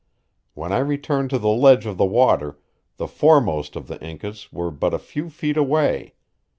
When I returned to the ledge of the water the foremost of the Incas were but a few feet away.